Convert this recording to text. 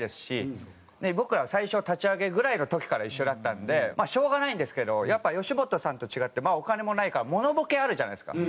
僕らは最初立ち上げぐらいの時から一緒だったんでまあしょうがないんですけどやっぱ吉本さんと違ってまあお金もないからモノボケあるじゃないですか。